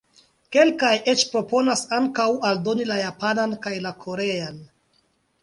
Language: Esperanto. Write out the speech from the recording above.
Kelkaj eĉ proponas ankaŭ aldoni la Japanan kaj la Korean.